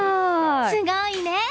すごいね！